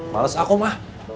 males aku mah